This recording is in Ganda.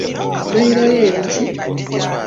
Meyiro yo eri ki?